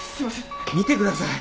見てください。